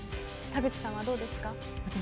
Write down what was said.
田口さんはどうですか。